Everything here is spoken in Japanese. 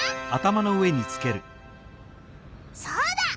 そうだ！